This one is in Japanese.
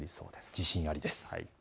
自信があります。